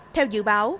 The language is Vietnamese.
theo dự báo